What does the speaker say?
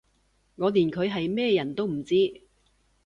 我連佢係咩人都唔知